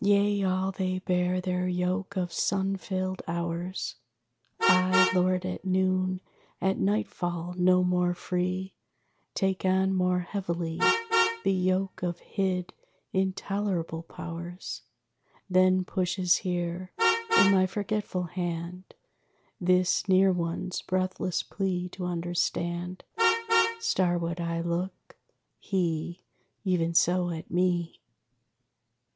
Yea, all they bear their yoke of sun filled hours. I, lord at noon, at nightfall no more free, Take on more heavily The yoke of hid, intolerable Powers. Then pushes here, in my forgetful hand, This near one's breathless plea to understand. Starward I look; he, even so, at me!